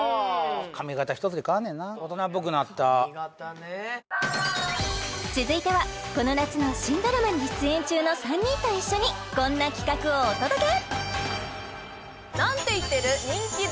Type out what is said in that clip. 髪形一つで変わんねんな大人っぽくなった髪形ね続いてはこの夏の新ドラマに出演中の３人と一緒にこんな企画をお届け！